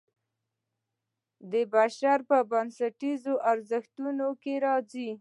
د بشر په بنسټیزو ارزښتونو کې راځي.